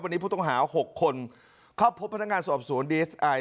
วันนี้ผู้ต้องหา๖คนเข้าพบพนักงานสอบสวนดีเอสไอ